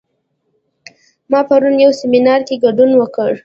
ما پرون یو سیمینار کې ګډون وکړ